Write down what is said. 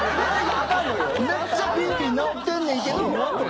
めっちゃぴんぴん治ってんねんけど。